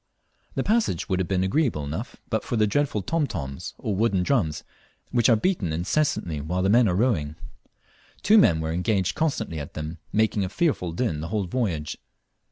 The passage would have been agreeable enough but for the dreadful "tom toms," or wooden drums, which are beaten incessantly while the men are rowing. Two men were engaged constantly at them, making a fearful din the whole voyage.